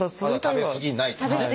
食べ過ぎないとかね。